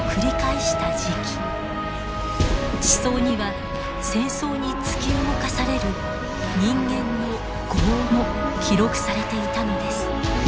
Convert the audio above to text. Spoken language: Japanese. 地層には戦争に突き動かされる人間の業も記録されていたのです。